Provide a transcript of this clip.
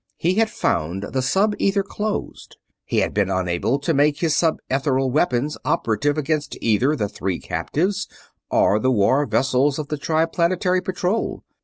He had found the sub ether closed; he had been unable to make his sub ethereal weapons operative against either the three captives or the war vessels of the Triplanetary Patrol.